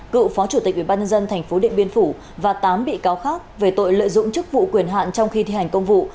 cựu phó chủ tịch ubnd tp điện biên phủ và tám bị cáo khác về tội lợi dụng chức vụ quyền hạn trong khi thi hành công vụ